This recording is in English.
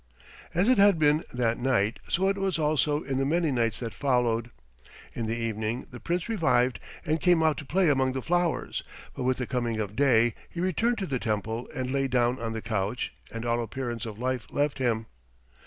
As it had been that night, so it was also in the many nights that followed. In the evening the Prince revived and came out to play among the flowers, but with the coming of day he returned to the temple and lay down on the couch, and all appearance of life left him.